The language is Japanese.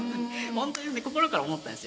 本当に心から思ったんですよ。